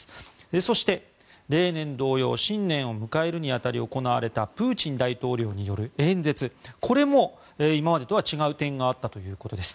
そして例年同様新年を迎えるに当たり行われたプーチン大統領による演説これも今までとは違う点があったということです。